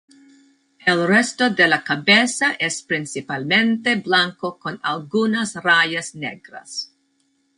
El resto de la cabeza es principalmente blanco con algunas rayas negras.